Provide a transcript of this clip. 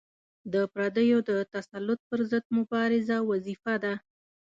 د پردیو د تسلط پر ضد مبارزه وظیفه ده.